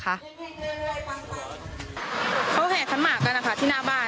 เขาแห่ขันหมากกันนะคะที่หน้าบ้าน